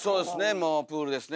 もうプールですね。